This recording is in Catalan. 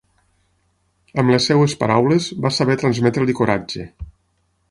Amb les seves paraules va saber transmetre-li coratge.